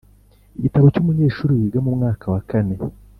Igitabo cy’umunyeshuri wiga mu mwaka wakane